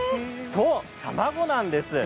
そう、卵なんです。